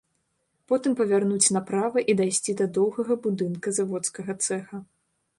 Потым павярнуць направа і дайсці да доўгага будынка заводскага цэха.